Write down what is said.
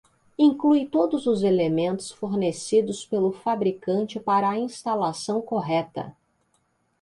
Inclui todos os elementos fornecidos pelo fabricante para a instalação correta.